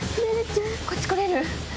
こっち来れる？